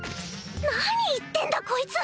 何言ってんだこいつ